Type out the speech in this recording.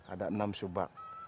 ada enam subak